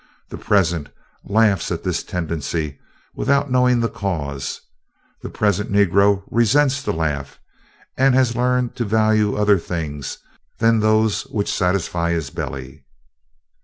The present laughs at this tendency without knowing the cause. The present negro resents the laugh, and he has learned to value other things than those which satisfy his belly."